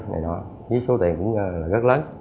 với số tiền cũng rất lớn